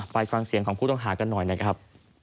ไปฟังเสียงของผู้ต้องหากันหน่อยนะครับ